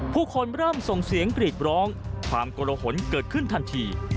ผู้คนเริ่มส่งเสียงกรีดร้องความกลหนเกิดขึ้นทันที